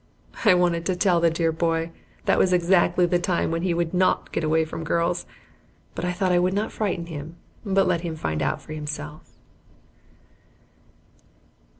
I wanted to tell the dear boy that was exactly the time when he would not get away from girls, but I thought I would not frighten him, but let him find it out for himself.